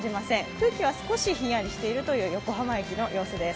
空気は少しひんやりしているという横浜駅の様子です。